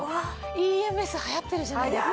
ＥＭＳはやってるじゃないですか。